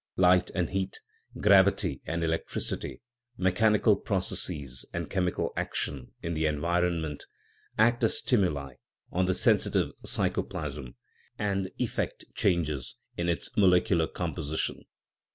Light and heat, gravity and electricity, mechanical processes and chemical action in the environment, act as stimuli on the sensitive psy choplasm, and effect changes in its molecular compo sition.